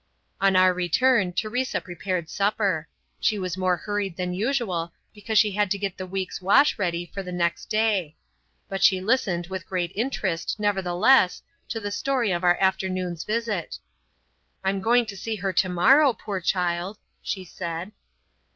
On our return Teresa prepared supper. She was more hurried than usual because she had to get the week's wash ready for the next day; but she listened with great interest, nevertheless, to the story of our afternoon's visit. "I'm going to see her tomorrow, poor child," she said.